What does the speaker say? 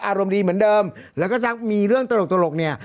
อารมณ์ดีเหมือนเดิมแล้วก็ซักมีเรื่องตลกเนี่ย